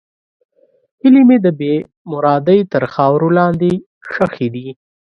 هیلې مې د بېمرادۍ تر خاورو لاندې ښخې دي.